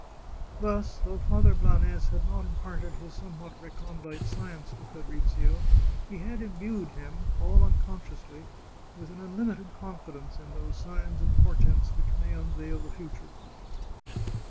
Thus, though Father Blanes had not imparted his somewhat recondite science to Fabrizio, he had imbued him, all unconsciously, with an unlimited confidence in those signs and portents which may unveil the future.